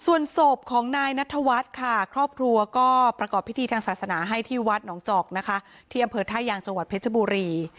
ส่วนศพของนายนัทวัฒน์ค่ะครอบครัวก็ประกอบพิธีทางศาสนาให้ที่วัดหนองจอกนะคะที่อำเภอท่ายางจังหวัดเพชรบุรี